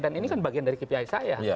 dan ini kan bagian dari kpi saya